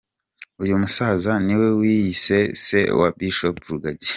Uyu musaza niwe wiyise Se wa Bishop Rugagi.